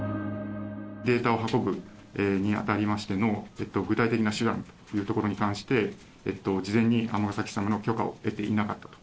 データを運ぶにあたりましての具体的な手段というところに関して、事前に尼崎市様の許可を得ていなかったと。